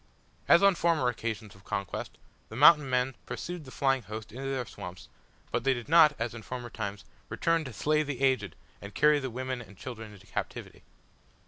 As on former occasions of conquest, the Mountain men pursued the flying host into their swamps, but they did not, as in former times, return to slay the aged and carry the women and children into captivity.